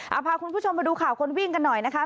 เอาพาคุณผู้ชมมาดูข่าวคนวิ่งกันหน่อยนะคะ